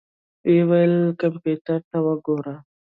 ويې ويل کمپيوټر ته وګوره.